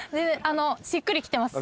しっくりきてます。